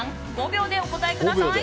５秒でお答えください。